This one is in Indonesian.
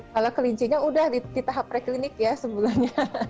kalau kelinci nya sudah di tahap pre klinik ya sebelumnya